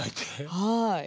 はい。